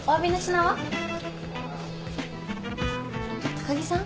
高木さん